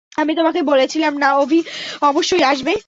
আমি তোমাকে বলেছিলাম না অভি অবশ্যই আসবে?